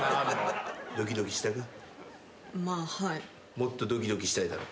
もっとドキドキしたいだろ。